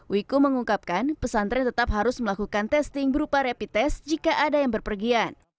wiku mengungkapkan pesantren tetap harus melakukan testing berupa rapid test jika ada yang berpergian